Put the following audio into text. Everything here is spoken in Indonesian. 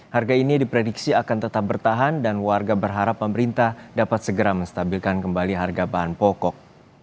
harga ini diprediksi akan tetap bertahan dan warga berharap pemerintah dapat segera menstabilkan kembali harga bahan pokok